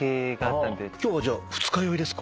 今日はじゃあ二日酔いですか？